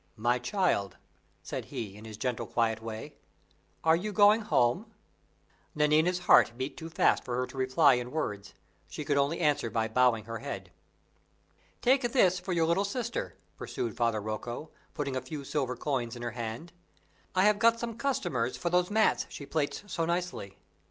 "My child," said he, in his gentle, quiet way, "are you going home?" Nanina's heart beat too fast for her to reply in words; she could only answer by bowing her head. "Take this for your little sister," pursued Father Rocco, putting a few silver coins in her hand; "I have got some customers for those mats she plaits so nicely.